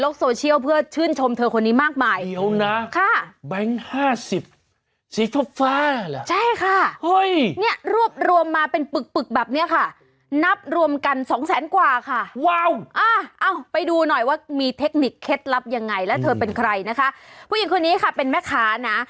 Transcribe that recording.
แล้วพอเราเข้ารถปุ๊บไปเลยจ้ะ